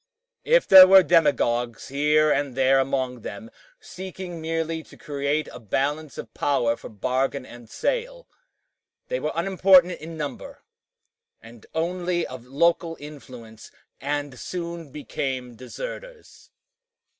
If there were demagogues here and there among them, seeking merely to create a balance of power for bargain and sale, they were unimportant in number, and only of local influence, and soon became deserters.